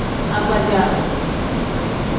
Agbaja.